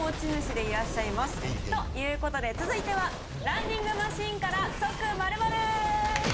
へいへい。ということで続いては「ランニングマシンから即○○！」